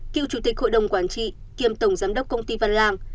cựu chủ tịch hội đồng quản trị kiêm tổng giám đốc công ty văn lang